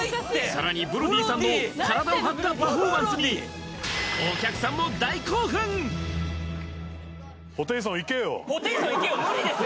さらにブロディさんの体を張ったパフォーマンスにお客さんも大興奮「ホテイソン行けよ」